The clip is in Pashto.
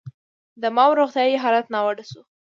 د ماوو روغتیايي حالت ناوړه شو.